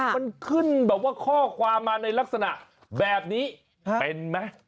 มันขึ้นแบบว่าข้อความมาในลักษณะแบบนี้เป็นไหม